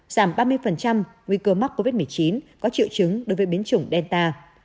giảm ba mươi nguy cơ mắc covid một mươi chín có triệu chứng đối với biến chủng delta